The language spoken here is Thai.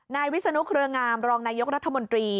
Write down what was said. วิศนุเครืองามรองนายกรัฐมนตรี